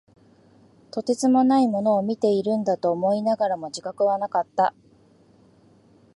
とてつもないものを見ているんだと思いながらも、自覚はなかった。